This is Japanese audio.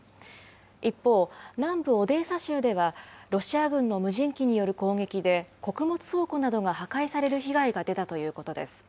一方、南部オデーサ州ではロシア軍の無人機による攻撃で、穀物倉庫などが破壊される被害が出たということです。